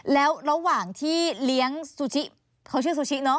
แล้วระหว่างที่เลี้ยงซูชิเขาชื่อซูชิเนอ